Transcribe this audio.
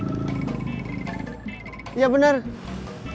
sekarang kita nyusuri rute angkot